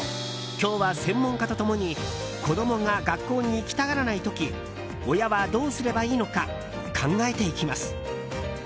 今日は専門家と共に子供が学校に行きたがらない時親はどうすればいいのか考えていきます。